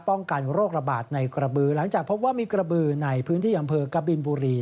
กันโรคระบาดในกระบือหลังจากพบว่ามีกระบือในพื้นที่อำเภอกบินบุรี